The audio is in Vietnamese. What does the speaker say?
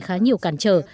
khá nhiều cản trở